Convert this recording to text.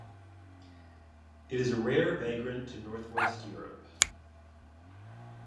It is a rare vagrant to northwest Europe.